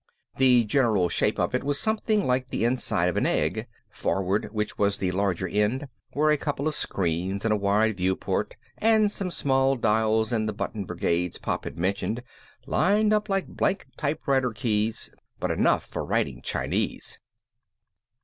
The general shape of it was something like the inside of an egg. Forward, which was the larger end, were a couple of screens and a wide viewport and some small dials and the button brigades Pop had mentioned, lined up like blank typewriter keys but enough for writing Chinese.